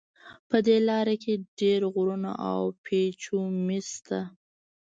په دې لاره کې ډېر غرونه او پېچومي شته.